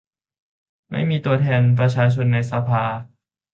ไม่มีตัวแทนประชาชนในสภา